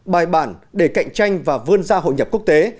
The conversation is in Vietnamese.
bài bản để cạnh tranh và vươn ra hội nhập quốc tế